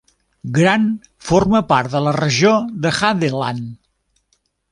Gran forma part de la regió de Hadeland.